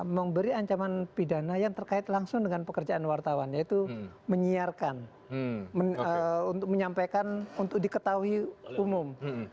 memberi ancaman pidana yang terkait langsung dengan pekerjaan wartawan yaitu menyiarkan untuk menyampaikan untuk diketahui umum